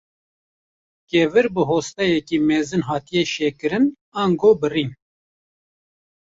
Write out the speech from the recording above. Kevir bi hostatiyeke mezin hatine şekirin, ango birîn.